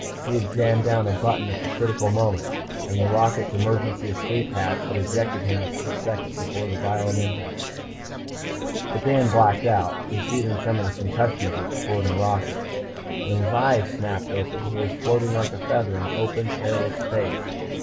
He had jammed down a button, at the critical moment, and the rocket's emergency escape hatch had ejected him a split second before the violent impact. But Dan blacked out, receiving some of the concussion of the exploding rocket. When his eyes snapped open he was floating like a feather in open, airless space.